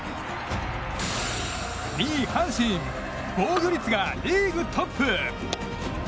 ２位阪神防御率がリーグトップ。